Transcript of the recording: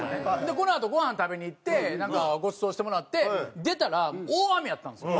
このあとごはん食べに行ってなんかごちそうしてもらって出たら大雨やったんですよ。